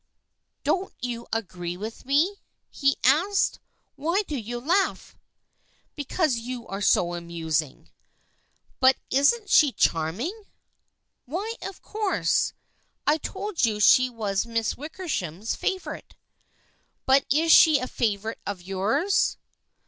" Don't you agree with me ?" he asked. " Why do you laugh ?"" Because you are so amusing." " But isn't she charming ?"" Why, of course. I told you she was Miss Wickersham's favorite." " But is she a favorite of yours